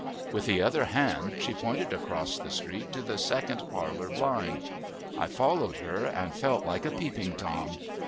With the other hand she pointed across the street to the second parlor blind. I followed her, and felt like a Peeping Tom.